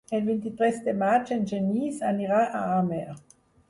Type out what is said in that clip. El vint-i-tres de maig en Genís anirà a Amer.